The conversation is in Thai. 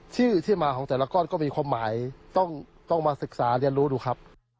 ชื่อที่มาของแต่ละก้อนก็มีความหมายต้องมาศึกษาเรียนรู้ดูครับ